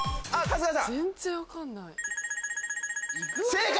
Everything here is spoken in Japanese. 正解！